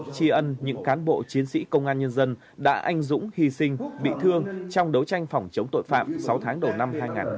chi ân những cán bộ chiến sĩ công an nhân dân đã anh dũng hy sinh bị thương trong đấu tranh phòng chống tội phạm sáu tháng đầu năm hai nghìn hai mươi bốn